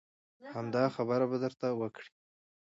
همدا خبره به درته وکړي.